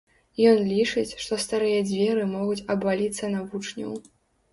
Ён лічыць, што старыя дрэвы могуць абваліцца на вучняў.